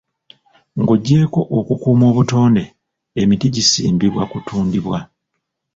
Ng'ogyeko okukuuma obutonde, emiti gisimbibwa kutundibwa.